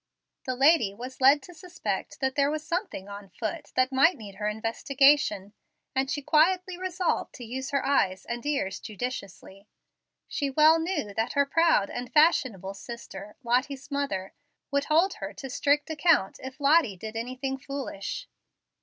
The lady was led to suspect that there was something on foot that might need her investigation, and she quietly resolved to use her eyes and ears judiciously. She well knew that her proud and fashionable sister, Lottie's mother, would hold her to strict account if Lottie did anything foolish.